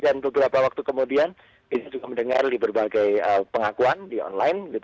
dan beberapa waktu kemudian beliau juga mendengar di berbagai pengakuan di online